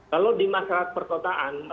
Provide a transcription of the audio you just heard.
kalau di masyarakat perkotaan